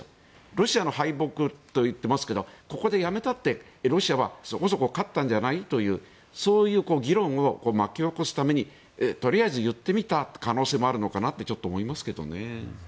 ロシアの敗北と言っていますがここでやめたってロシアはそこそこ勝ったんじゃない？というそういう議論を巻き起こすためにとりあえず言ってみた可能性もあるのかなとちょっと思いますけどね。